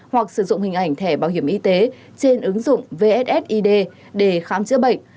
hoặc sử dụng hình ảnh thẻ bảo hiểm y tế trên ứng dụng vssid để khám chữa bệnh